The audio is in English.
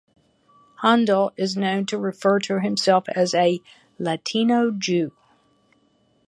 Handel is known to refer to himself as a "Latino Jew".